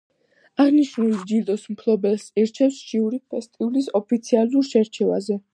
აღნიშნული ჯილდოს მფლობელს ირჩევს ჟიური ფესტივალის ოფიციალურ შერჩევაზე.